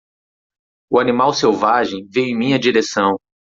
O animal selvagem veio em minha direção.